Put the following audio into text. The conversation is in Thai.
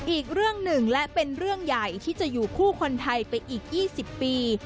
อีกเรื่องหนึ่งและเป็นเรื่องใหญ่ที่จะอยู่คู่คนไทยไปอีก๒๐ปี